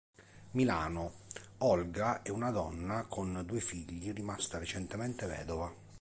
Milano: Olga è una donna con due figli rimasta recentemente vedova.